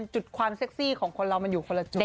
จุดความเซ็กซี่ของคนเรามันอยู่คนละจุด